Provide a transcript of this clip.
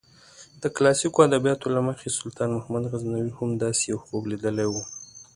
د کلاسیکو ادبیاتو له مخې سلطان محمود غزنوي هم داسې یو خوب لیدلی و.